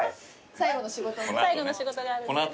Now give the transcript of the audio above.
最後の仕事があるので。